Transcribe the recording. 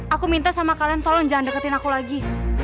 aku minta sama kalian tolong jangan deketin aku lagi